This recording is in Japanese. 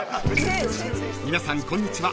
［皆さんこんにちは